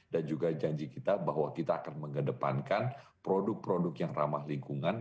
dan juga janji kita bahwa kita akan mengedepankan produk produk yang ramah lingkungan